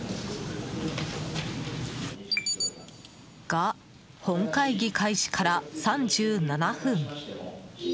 が、本会議開始から３７分。